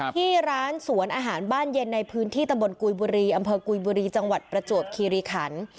ที่ร้านสวนอาหารบ้านเย็นในพื้นที่ตำบลกุยบุรีอำเภอกุยบุรีจังหวัดประจวบคีรีขัน